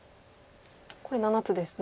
これ７つですね。